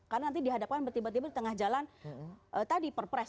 karena nanti dihadapkan tiba tiba di tengah jalan tadi perpres